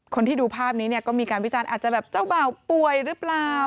คนที่ดูภาพนี้เนี่ยก็มีการวิจารณ์อาจจะแบบเจ้าบ่าวป่วยหรือเปล่า